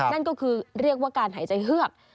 นั่นก็คือเรียกว่าการหายใจเฮือก